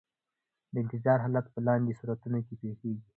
د انتظار حالت په لاندې صورتونو کې پیښیږي.